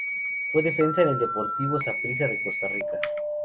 Fue defensa en el Deportivo Saprissa de Costa Rica.